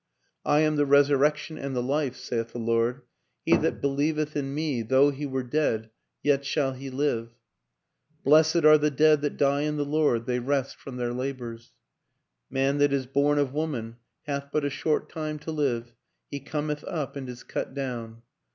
" I am the Resurrection and the Life, saith the Lord: he that believeth in Me, though he were dead, yet shall he live. ..."" Blessed are the dead that die in the Lord ... they rest from their labors." " Man that is born of woman hath but a short time to live. ... He cometh up and is cut down.